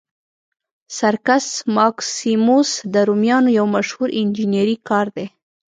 سرکس ماکسیموس د رومیانو یو مشهور انجنیري کار دی.